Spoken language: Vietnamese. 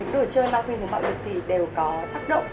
đồ chơi mang khuyến khí mạo lực thì đều có tác động